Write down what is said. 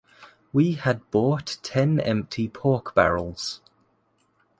We had bought ten empty pork-barrels.